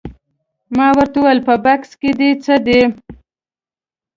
ما ورته وویل په بکس کې دې څه دي؟